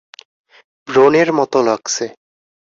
ব্রণের মতো লাগছে।